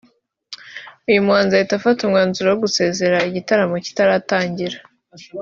uyu muhanzi ahita afata umwanzuro wo gusezera igitaramo kitarangiye